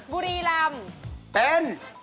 บุรีรำเป็น